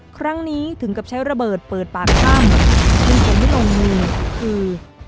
ครั้งนี้ถึงกับใช้ระเบิดเปิดปากข้ามที่มีคนไม่ลงมือคือ